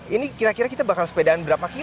ini kira kira kita bakal sepedaan berapa ki